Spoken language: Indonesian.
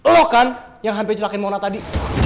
lo kan yang hampir nyelekin mona tadi